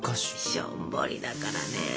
しょんぼりだからね。